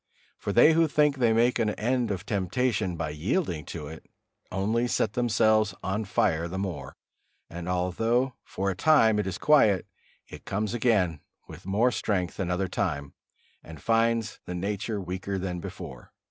For they who think they make an end of temptation by yielding to it, only set themselves on fire the more; and although for a time it is quiet, it comes again with more strength another time, and finds the nature weaker than before.